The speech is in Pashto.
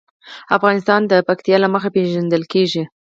افغانستان د پکتیا له مخې پېژندل کېږي.